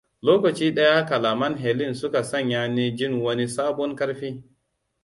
Lokaci daya kalaman Helen suka sanya ni jin wani sabon karfi.